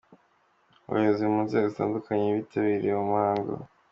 Abayobozi mu nzego zitandukanye bitabiriye uwo muhango.